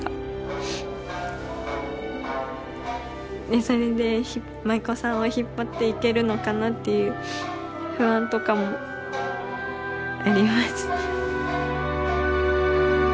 でそれで舞妓さんを引っ張っていけるのかなっていう不安とかもあります。